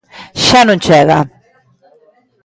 Xa non chega.